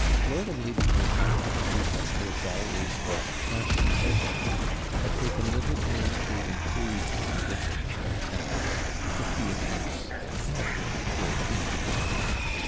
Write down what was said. Lord and Lady Killpatrick, who had lived always for the fashionable world, had taken little pains to improve the condition of their tenants; the few attempts they had made were injudicious.